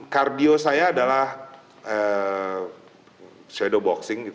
kardio saya adalah shadow boxing